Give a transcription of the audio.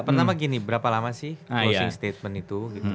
pertama gini berapa lama sih closing statement itu